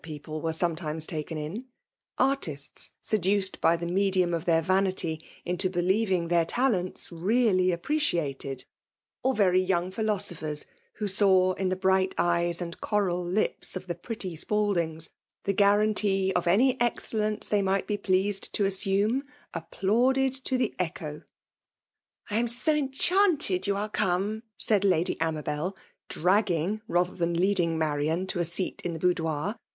peq^ were sometiBies taken in ;— artists seduced by the medium of their vanity into believing their talents re«% appreciated ; or very young philosophecs, who saw in the bright eyes and coral Hps of the pMtty Spaldings the guarantee of any «aocel leace ihey might be pleased to aamimmj' fqjplauded to the eoha '' I am so cnchaaied you sue come !" said Lady Amabel, draggiQg rather than loBdimg Marian toaseat in the boudoir.